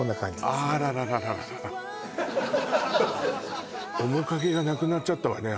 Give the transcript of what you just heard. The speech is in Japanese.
あららら面影がなくなっちゃったわね